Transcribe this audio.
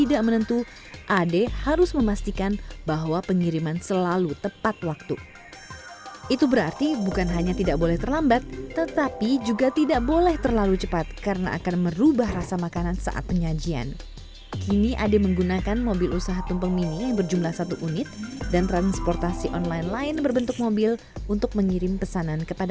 desember ya desember kan banyak orang yang kayak married atau acara sama bareng gitu acara akhir tahun gitu jadi kayak eventnya banyak gitu sih